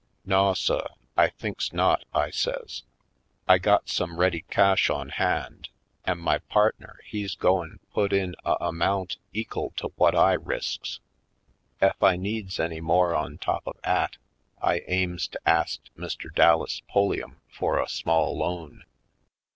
"Naw suh, I thinks not," I says. "I got some ready cash on hand an' my partner 166 /. PoindexteVj Colored he's goin' put in a amount ekel to whut I risks. Ef I needs any more on top of 'at, I aims to ast Mr. Dallas Pulliam fur a small loan."